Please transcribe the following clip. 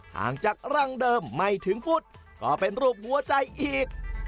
ห่างจากร่างเดิมไม่ถึงฟุตก็เป็นรูปหัวใจอีก